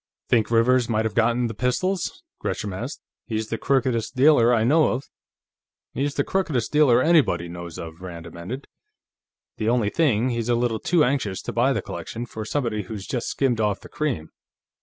"Think Rivers might have gotten the pistols?" Gresham asked. "He's the crookedest dealer I know of." "He's the crookedest dealer anybody knows of," Rand amended. "The only thing, he's a little too anxious to buy the collection, for somebody who's just skimmed off the cream."